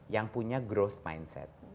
yang punya growth mindset